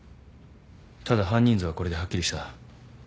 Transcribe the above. ただ犯人像はこれではっきりした。